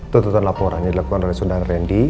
tutupan laporan yang dilakukan dari sundara randy